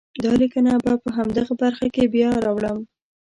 دا لیکنه به په همدغه برخه کې بیا راوړم.